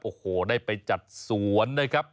โอ้โหได้ไปจัดสวนนะครับ